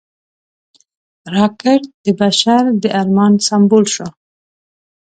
راکټ د بشر د ارمان سمبول شو